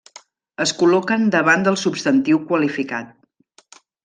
Es col·loquen davant del substantiu qualificat.